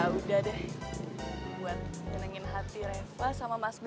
buat menyenangkan hati reva sama mas be